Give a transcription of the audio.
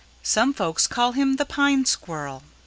Some folks call him the Pine Squirrel.